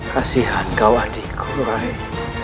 kasihan kau adikku raden